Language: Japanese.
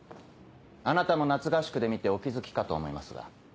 あなたも夏合宿で見てお気付きかと思いますが。